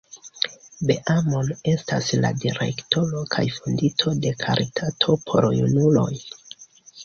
Beamon estas la direktoro kaj fondinto de karitato por junuloj.